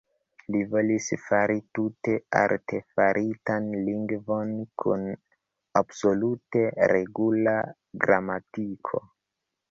Li volis fari tute artefaritan lingvon kun absolute regula gramatiko.